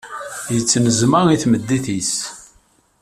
Yettneẓma i tmeddit-is.